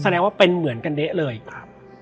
แสดงว่าเป็นเหมือนกันเด๊ะเลยครับ